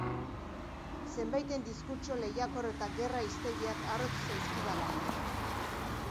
Zenbaiten diskurtso lehiakor eta gerra hiztegiak arrotz zaizkidalako.